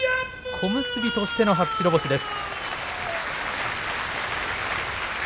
小結としての初白星です。